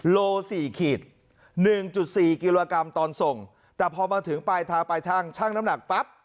โล๔ขีด๑๔กิโลกรัมตอนส่งแต่พอมาถึงปลายทางปลายทางชั่งน้ำหนักปั๊บ